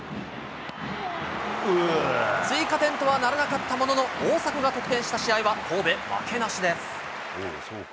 追加点とはならなかったものの、大迫が得点した試合は神戸、負けなしです。